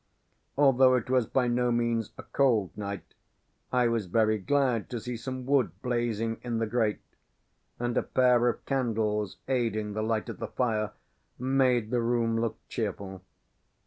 Although it was by no means a cold night, I was very glad to see some wood blazing in the grate; and a pair of candles aiding the light of the fire, made the room look cheerful.